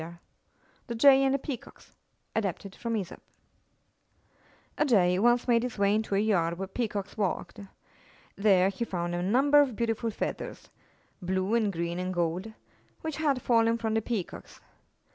THE JAY AND THE PEACOCKS A Jay once made his way into a yard where Peacocks walked. There he found a number of beautiful feathers — blue and green and gold — which had fallen from the Peacocks.